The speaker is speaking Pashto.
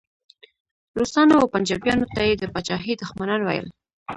روسانو او پنجابیانو ته یې د پاچاهۍ دښمنان ویل.